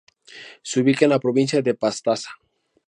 Se ubica en la provincia de Pastaza.